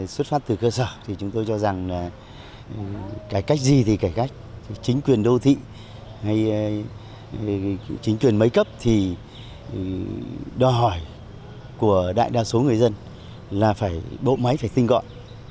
xuất phát từ cơ sở thì chúng tôi cho rằng là cải cách gì thì cải cách chính quyền đô thị hay chính quyền mấy cấp thì đòi hỏi của đại đa số người dân là phải bộ máy phải tinh gọn